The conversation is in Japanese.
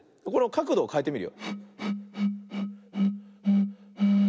かくどをかえてみる。